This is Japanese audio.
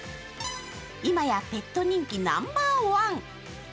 今やネット人気ナンバーワン。